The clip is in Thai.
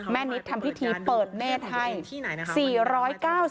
แม่นิศทำพิธีเปิดแม่ไทย